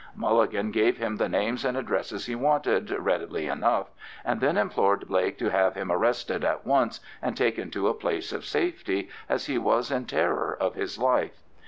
Mulligan gave him the names and addresses he wanted readily enough, and then implored Blake to have him arrested at once and taken to a place of safety, as he was in terror of his life.